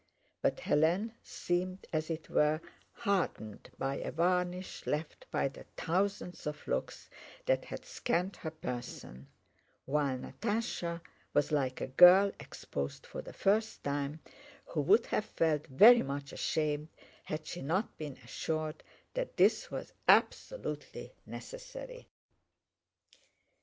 But Hélène seemed, as it were, hardened by a varnish left by the thousands of looks that had scanned her person, while Natásha was like a girl exposed for the first time, who would have felt very much ashamed had she not been assured that this was absolutely necessary.